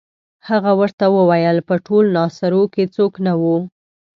هغې ورته وویل په ټول ناصرو کې څوک نه وو.